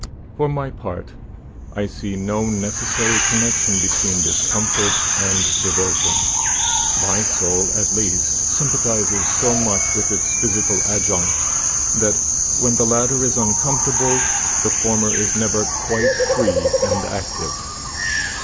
For my part, I see no necessary connection between discomfort and devotion. My soul, at least, sympathizes so much with its physical adjunct, that, when the latter is uncomfortable, the former is never quite free and active.